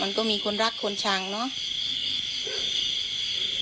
มันก็มีคนรักคนชังเนาะ